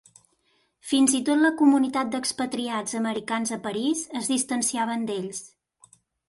Fins i tot la comunitat d'expatriats americans a París es distanciaven d'ells.